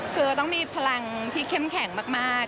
คือต้องมีพลังที่เข้มแข็งมาก